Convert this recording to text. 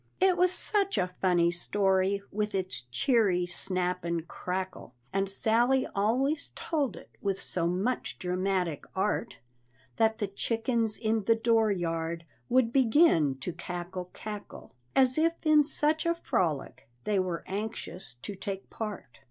It was such a funny story, with its cheery snap and crackle, And Sally always told it with so much dramatic art, That the chickens in the door yard would begin to "cackle cackle," As if in such a frolic they were anxious to take part.